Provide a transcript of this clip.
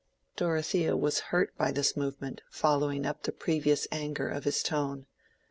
Dorothea was hurt by this movement following up the previous anger of his tone.